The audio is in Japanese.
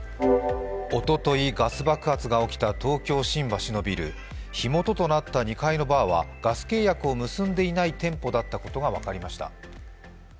おととい、ガス爆発が起きた東京・新橋のビル火元となった２階のバーはガス契約を結んでいない店舗だったことが分かりました。